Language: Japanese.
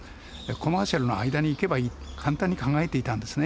コマーシャルの間に行けばいいと簡単に考えていたんですね。